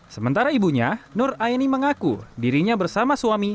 sementara ibunya nur aini mengaku dirinya bersama suami